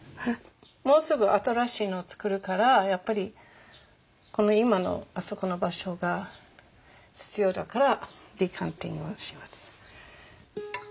もうすぐ新しいのをつくるからやっぱりこの今のあそこの場所が必要だからデカンティングをします。